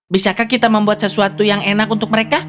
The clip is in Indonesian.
bisakah kita membuat sesuatu yang enak untuk mereka